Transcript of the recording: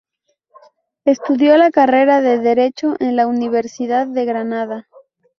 Estudió la carrera de Derecho, en la universidad de Granada.